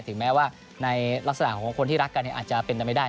แม้ว่าในลักษณะของคนที่รักกันอาจจะเป็นไปไม่ได้